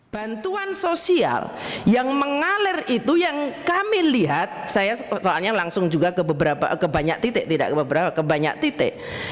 bantuan sosial yang mengalir itu yang kami lihat saya soalnya langsung juga ke banyak titik